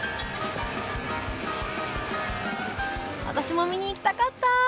私も見に行きたかった！